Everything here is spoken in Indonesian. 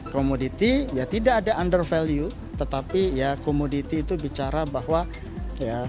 komoditi ya tidak ada under value tetapi ya komoditi itu bicara bahwa kalau ada pergerakan ada fluktuatif di market global